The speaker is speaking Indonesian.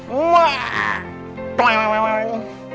reena tidur sama opah